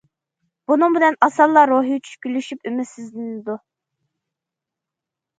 بۇنىڭ بىلەن ئاسانلا روھىي چۈشكۈنلىشىپ، ئۈمىدسىزلىنىدۇ.